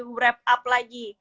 wrap up lagi